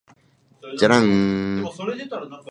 じゃらんーーーーー